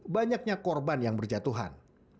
banyaknya korban yang berjatuhan